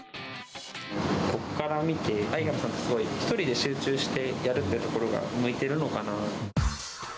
僕から見て、相原さんは１人で集中してやるっていうところが、向いてるのかな。